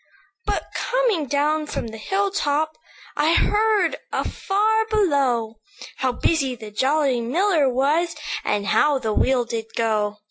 "But, coming down from the hill top, I heard afar below, How busy the jolly miller was, And how the wheel did go.